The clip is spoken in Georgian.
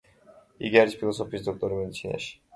იგი არის ფილოსოფიის დოქტორი მედიცინაში.